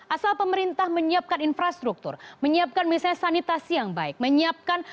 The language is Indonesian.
asal pemerintah menyiapkan infrastruktur menyiapkan misalnya sanitasi yang baik menyiapkan